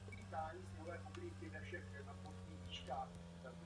Kresba na těle je specifickým znakem plemene.